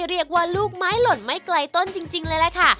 เรียกว่าลูกไม้หล่นไม่ไกลต้นจริงเลยล่ะค่ะ